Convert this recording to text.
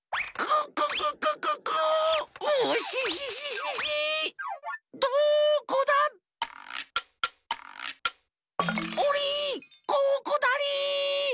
ここだリ！